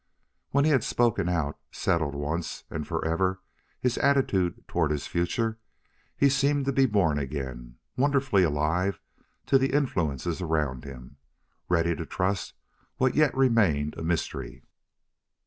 When he had spoken out, settled once and for ever his attitude toward his future, he seemed to be born again, wonderfully alive to the influences around him, ready to trust what yet remained a mystery.